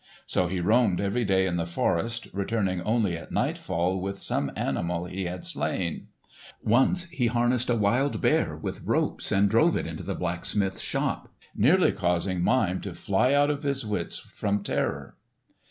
So he roamed every day in the forest returning only at nightfall with some animal he had slain. Once he harnessed a wild bear with ropes and drove it into the blacksmith's shop, nearly causing Mime to fly out of his wits from terror.